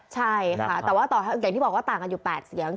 ใช่ค่ะแต่ว่าอย่างที่บอกว่าต่างกันอยู่๘เสียง